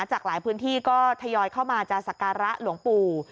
จากหลายพื้นที่ก็ทยอยเข้ามาจะสักการะหลวงปู่